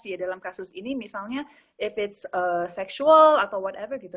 ya dalam kasus ini misalnya if it's sexual atau whatever gitu